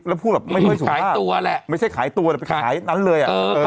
แล้วพูดแบบไม่ช่วยสุภาพไม่ใช่ขายตัวแต่ไปขายนั้นเลย